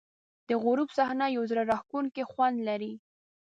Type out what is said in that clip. د غروب صحنه یو زړه راښکونکی خوند لري.